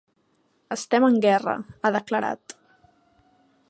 Estem en guerra, ha declarat.